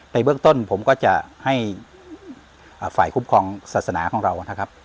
เบื้องต้นผมก็จะให้ฝ่ายคุ้มครองศาสนาของเรานะครับ